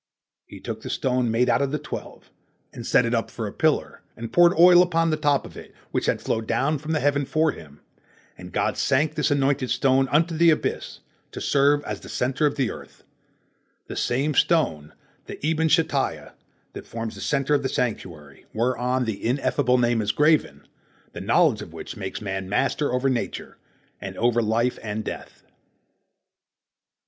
He took the stone made out of the twelve, and set it up for a pillar, and poured oil upon the top of it, which had flowed down from heaven for him, and God sank this anointed stone unto the abyss, to serve as the centre of the earth, the same stone, the Eben Shetiyah, that forms the centre of the sanctuary, whereon the Ineffable Name is graven, the knowledge of which makes a man master over nature, and over life and death.